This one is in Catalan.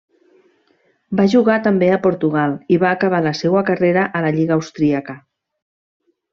Va jugar també a Portugal i va acabar la seua carrera a la lliga austríaca.